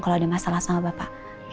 kalau ada masalah sama bapak